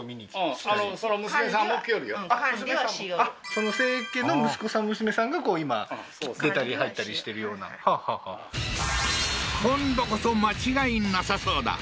そのセイケの息子さん娘さんがこう今出たり入ったりしてるようなはあはあはあ今度こそ間違いなさそうだ